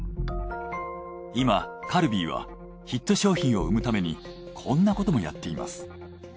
今カルビーはヒット商品を生むためにこんなこともやっています。